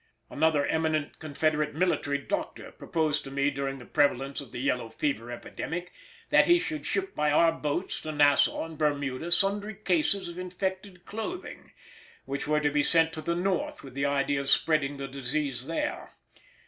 Another eminent Confederate military doctor proposed to me during the prevalence of the yellow fever epidemic that he should ship by our boats to Nassau and Bermuda sundry cases of infected clothing, which were to be sent to the North with the idea of spreading the disease there.